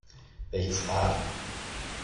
Welches Rad?